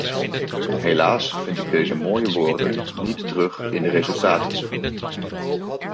Helaas vind ik deze mooie woorden niet terug in de resultaten.